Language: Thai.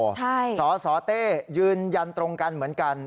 ใช่สสเต้ยืนยันตรงกันเหมือนกัน